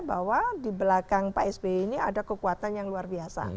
bahwa di belakang pak sby ini ada kekuatan yang luar biasa